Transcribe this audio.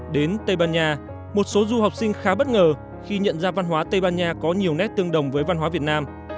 đến tây ban nha một số du học sinh khá bất ngờ khi nhận ra văn hóa tây ban nha có nhiều nét tương đồng với văn hóa việt nam